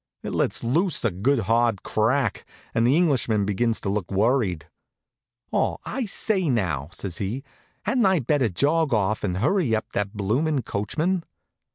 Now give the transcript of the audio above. It lets loose a good hard crack, and the Englishman begins to look worried. "Aw, I say now!" says he, "hadn't I better jog off and hurry up that bloomin' coachman?"